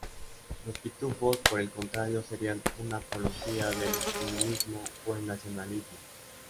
Los pitufos, por el contrario, serían una apología del comunismo o el nacionalsocialismo.